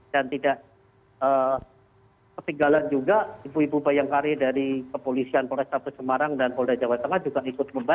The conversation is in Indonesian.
dan tidak ketinggalan juga ibu ibu bayangkari dari kepolisian polres tampung semarang dan polres jawa tengah juga ikut membahas